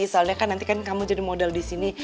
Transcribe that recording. soalnya nanti kan kamu jadi model disini